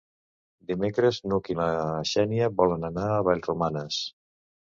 Dimecres n'Hug i na Xènia volen anar a Vallromanes.